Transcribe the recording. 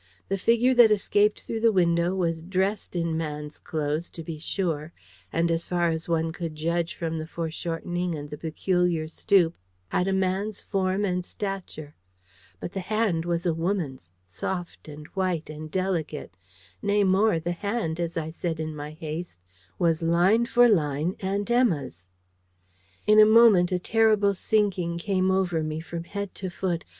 The figure that escaped through the window was dressed in man's clothes, to be sure, and as far as one could judge from the foreshortening and the peculiar stoop, had a man's form and stature. But the hand was a woman's soft, and white, and delicate: nay more, the hand, as I said in my haste, was line for line Aunt Emma's. In a moment a terrible sinking came over me from head to foot.